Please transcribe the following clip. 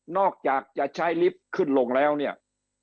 อกจากจะใช้ลิฟต์ขึ้นลงแล้วเนี่ย